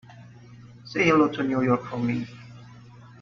Say hello to New York for me.